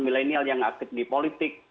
milenial yang aktif di politik